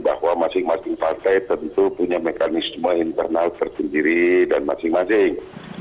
bahwa masing masing partai tentu punya mekanisme internal tersendiri dan masing masing